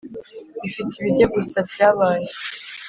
bifite ibijya gusa byabaye.